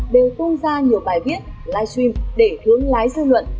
đều tung ra nhiều bài viết live stream để hướng lái dư luận